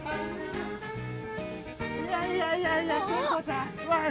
いやいやいやいやテンコちゃん